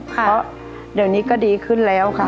เพราะเดี๋ยวนี้ก็ดีขึ้นแล้วค่ะ